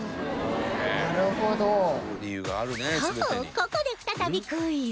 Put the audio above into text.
ここで再びクイズ